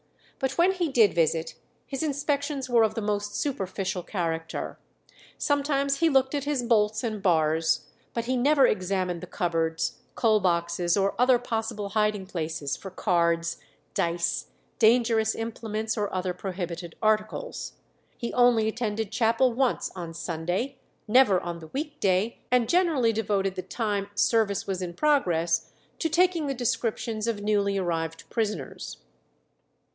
But when he did visit, his inspections were of the most superficial character; sometimes he looked at his bolts and bars, but he never examined the cupboards, coal boxes, or other possible hiding places for cards, dice, dangerous implements, or other prohibited articles. He only attended chapel once on Sunday, never on the week day, and generally devoted the time service was in progress to taking the descriptions of newly arrived prisoners.